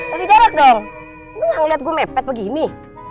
kasih jarak dong lu gak ngeliat gue mepet begini